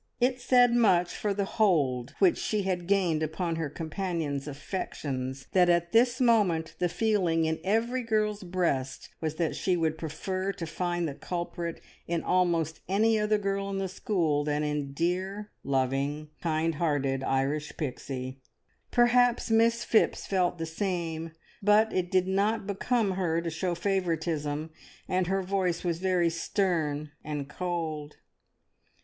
It said much for the hold which she had gained on her companions' affections that at this moment the feeling in every girl's breast was that she would prefer to find the culprit in almost any other girl in the school than in dear, loving, kind hearted Irish Pixie. Perhaps Miss Phipps felt the same, but it did not become her to show favouritism, and her voice was very stern and cold.